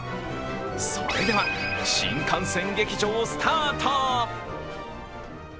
それでは、新幹線劇場スタート！